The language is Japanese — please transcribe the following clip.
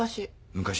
昔？